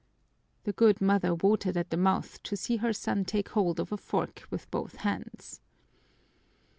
The good mother watered at the mouth to see her son take hold of a fork with both hands.